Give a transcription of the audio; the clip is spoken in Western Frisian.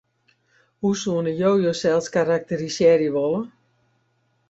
Hoe soenen jo josels karakterisearje wolle?